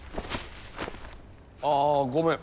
ああごめん。